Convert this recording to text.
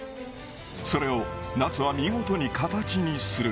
それを夏は見事に形にする。